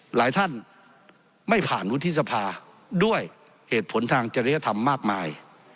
หลายท่านไม่ผ่านวุฒิสภาด้วยเหตุผลทางจริยธรรมมากมาย